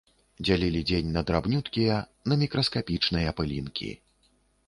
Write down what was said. Дзялілі дзень на драбнюткія, на мікраскапічныя пылінкі.